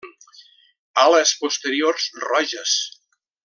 Ales posteriors roges.